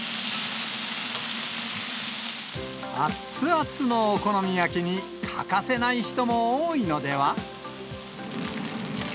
あっつあつのお好み焼きに欠かせない人も多いのでは。